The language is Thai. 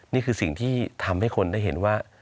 นี่คือสิ่งที่ทำให้คนได้เห็นว่า